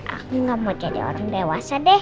aku gak mau jadi orang dewasa deh